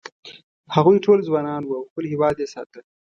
هغوی ټول ځوانان و او خپل هېواد یې ساته.